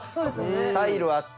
タイルあって。